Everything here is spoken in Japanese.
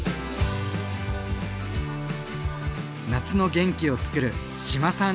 夏の元気をつくる志麻さん